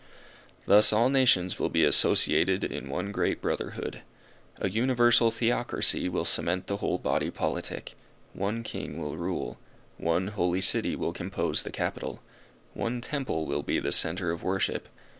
Thus all nations will be associated in one great brotherhood. A universal Theocracy will cement the whole body politic. One king will rule. One holy city will compose the capitol. One temple will be the centre of worship.